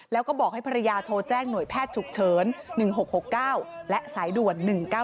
แล้วก็บอกให้ภรรยาโทรแจ้งหน่วยแพทย์ฉุกเฉิน๑๖๖๙และสายด่วน๑๙๙